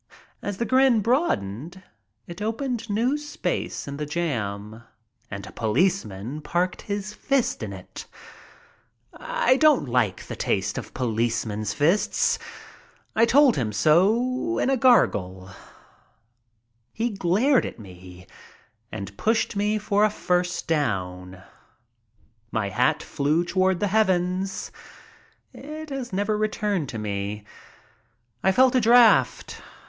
As the grin broadened it opened new space in the jam and a policeman parked his fist in it. I 4oii't like the t^ste of policemen's lists, I told him so I DECIDE TO PLAY HOOKEY ii in a gargle. He glared at me and pushed me for a "first down." My hat flew toward the heavens. It has never returned to me. I felt a draught.